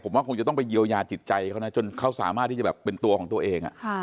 ผมว่าคงจะต้องไปเยียวยาจิตใจเขานะจนเขาสามารถที่จะแบบเป็นตัวของตัวเอง